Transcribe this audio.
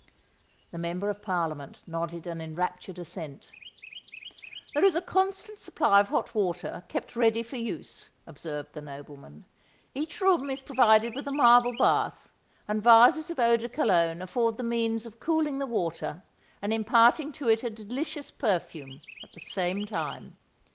The member of Parliament nodded an enraptured assent. "There is a constant supply of hot water, kept ready for use," observed the nobleman. "Each room is provided with a marble bath; and vases of eau de cologne afford the means of cooling the water and imparting to it a delicious perfume at the same time.